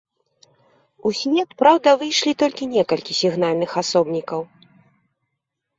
У свет, праўда, выйшлі толькі некалькі сігнальных асобнікаў.